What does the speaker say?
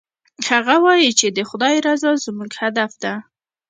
هغه وایي چې د خدای رضا زموږ هدف ده